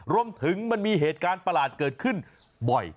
มันมีเหตุการณ์ประหลาดเกิดขึ้นบ่อย